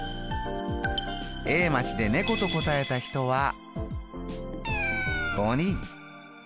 Ａ町で猫と答えた人は５人。